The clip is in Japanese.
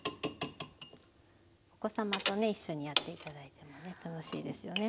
お子様とね一緒にやって頂いてもね楽しいですよね。